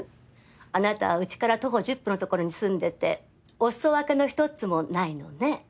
あなたは家から徒歩１０分のところに住んでてお裾分けの１つもないのね？